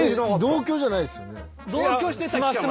同居じゃないっすよね？